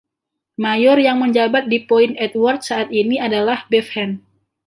Mayor yang menjabat di Point Edward saat ini adalah Bev Hand.